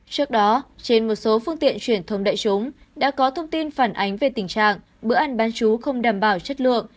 trước đó trên một số phương tiện truyền thông đại chúng đã có thông tin phản ánh về tình trạng bữa ăn bán chú không đảm bảo chất lượng